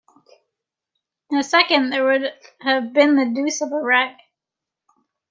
In a second there would have been the deuce of a wreck.